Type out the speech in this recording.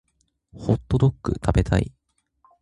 ホットドック食べたい